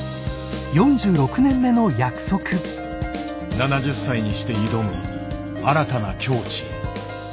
７０歳にして挑む新たな境地。